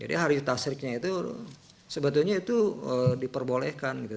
jadi hari tasriknya itu sebetulnya itu diperbolehkan gitu